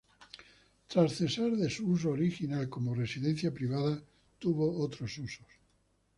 Tras cesar de su uso original como residencia privada, tuvo otros usos.